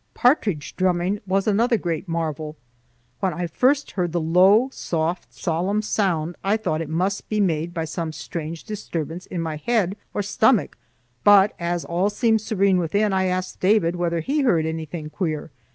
Partridge drumming was another great marvel. When I first heard the low, soft, solemn sound I thought it must be made by some strange disturbance in my head or stomach, but as all seemed serene within, I asked David whether he heard anything queer.